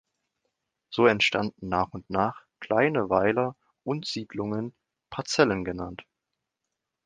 So entstanden nach und nach kleine Weiler und Siedlungen, Parzellen genannt.